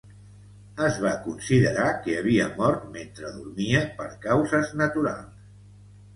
Es va considerar que havia mort mentre dormia per causes naturals.